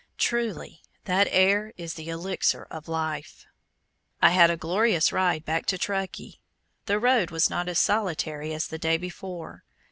Truly, that air is the elixir of life. I had a glorious ride back to Truckee. The road was not as solitary as the day before.